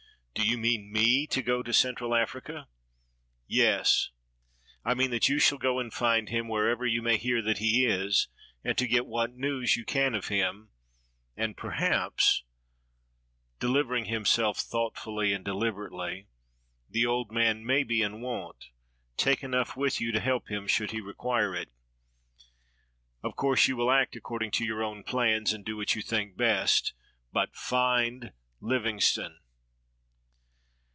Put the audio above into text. Do you mean me to go to Central Africa?" "Yes; I mean that you shall go and find him, wher ever you may hear that he is, and to get what news you can of him, and perhaps "— delivering himself thought fully and dehberately — "the old man may be in want: — take enough with you to help him should he require it. Of course, you will act according to your own plans, and do what you think best — but find Livingstone